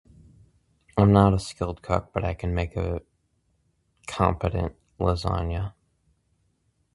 I'm not a skilled cook but I can make a competent lasagna.